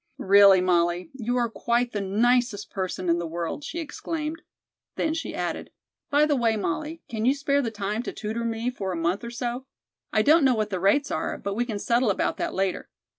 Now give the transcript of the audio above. "Really, Molly, you are quite the nicest person in the world," she exclaimed. Then she added: "By the way, Molly, can you spare the time to tutor me for a month or so? I don't know what the rates are, but we can settle about that later.